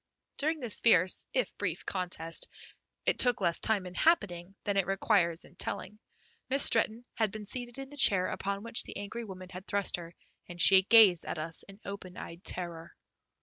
During this fierce if brief contest, it took less time in happening than it requires in telling, Miss Stretton had been seated in the chair upon which the angry woman had thrust her, and she gazed at us in open eyed terror.